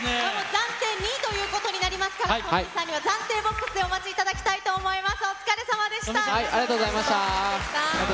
暫定２位ということになりますから、ＴＯＭＭＹさんには暫定ボックスでお待ちいただきたいと思います。